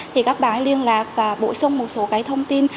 thì các bạn liên lạc và bổ sung một số cái thông tin